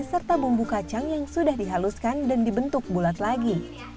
serta bumbu kacang yang sudah dihaluskan dan dibentuk bulat lagi